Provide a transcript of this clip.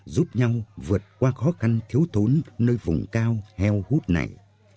giúp nhau vượt qua khó khăn thiếu thốn nơi vùng cao heo hút này